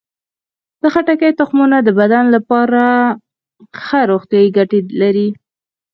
د خټکي تخمونه د بدن لپاره ښه روغتیايي ګټې لري.